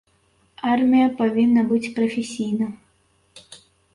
Армія павінна быць прафесійнай.